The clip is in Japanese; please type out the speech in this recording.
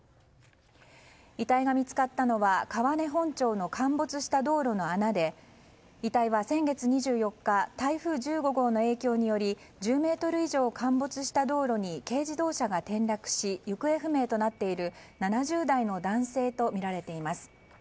遺体が見つかったのは川根本町の陥没した道路の穴で遺体は先月２４日台風１５号の影響により１０ｍ以上陥没した道路に軽自動車が転落し行方不明となっている７０代の男性とみられています。